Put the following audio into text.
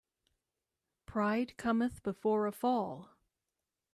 Pride cometh before a fall.